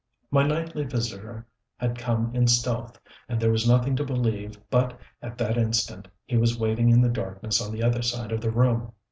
My nightly visitor had come in stealth, and there was nothing to believe but at that instant he was waiting in the darkness on the other side of the room.